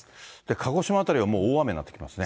鹿児島辺りは大雨になってきますね。